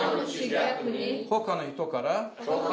他の人から。